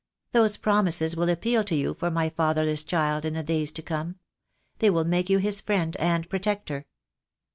Those promises will appeal to you for my fatherless child in the days to come. They will make you his friend and protector."